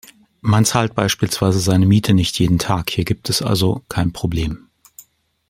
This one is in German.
Man zahlt beispielsweise seine Miete nicht jeden Tag, hier gibt es also kein Problem.